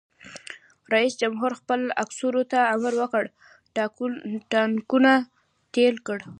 رئیس جمهور خپلو عسکرو ته امر وکړ؛ ټانکونه تېل کړئ!